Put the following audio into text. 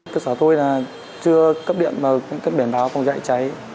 cơ sở tôi là chưa cấp điện vào cấp biển báo phòng cháy cháy